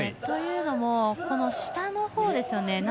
というのも、下のほうですよね。